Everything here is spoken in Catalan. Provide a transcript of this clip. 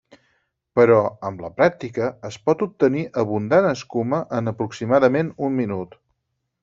Però, amb la pràctica es pot obtenir abundant escuma en aproximadament un minut.